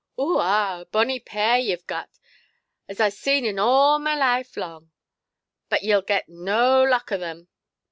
"Oo, ah! a bonnie pair yeʼve gat, as I see in all my life lang. But yeʼll get no luck o' them.